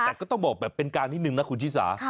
แต่ก็ต้องบอกแบบเป็นการนิดนึงนะคุณชิสา